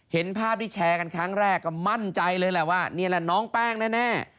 เห็นภาพที่แชร์กันครั้งแรกก็มั่นใจเลยแหละว่านี่แหละน้องแป้งแน่